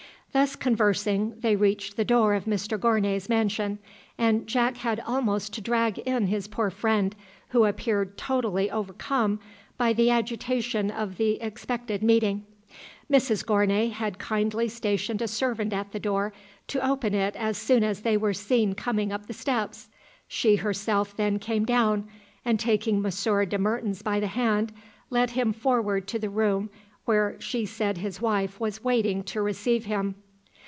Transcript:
Thus conversing they reached the door of Mr Gournay's mansion, and Jack had almost to drag in his poor friend, who appeared totally overcome by the agitation of the expected meeting. Mrs Gournay had kindly stationed a servant at the door to open it as soon as they were seen coming up the steps. She herself then came down, and taking Monsieur de Mertens by the hand, led him forward to the room where she said his wife was waiting to receive him.